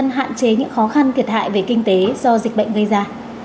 công an hạn chế những khó khăn kiệt hại về kinh tế do dịch bệnh gây ra